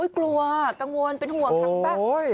กลัวกังวลเป็นห่วงเหรอคราวนี้